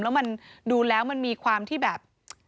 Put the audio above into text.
แล้วมันดูแล้วมันมีความที่แบบ